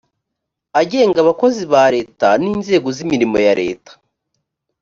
agenga abakozi ba leta n inzego z imirimo ya leta